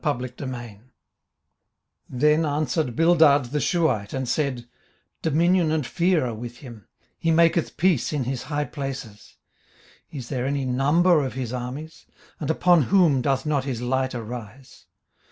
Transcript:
18:025:001 Then answered Bildad the Shuhite, and said, 18:025:002 Dominion and fear are with him, he maketh peace in his high places. 18:025:003 Is there any number of his armies? and upon whom doth not his light arise?